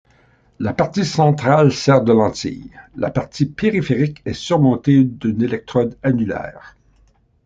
La partie centrale sert de lentille, la partie périphérique est surmontée d'une électrode annulaire.